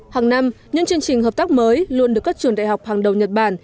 hàng năm những chương trình hợp tác mới luôn được các trường đại học hàng đầu nhật bản